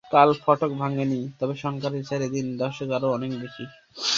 কাল ফটক ভাঙেনি, তবে সংখ্যার বিচারে এদিন দর্শক আরও অনেক বেশি।